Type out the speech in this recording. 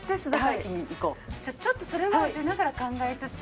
じゃあちょっとそれは出ながら考えつつ。